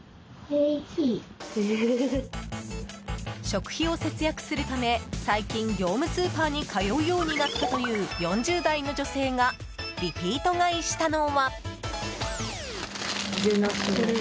食費を節約するため最近、業務スーパーに通うようになったという４０代の女性がリピート買いしたのは。